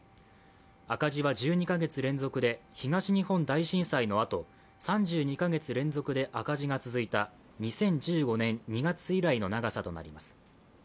赤字は１２カ月連続で東日本大震災のあと３２カ月連続で赤字が続いた２０１５年２月以来の長さとなります。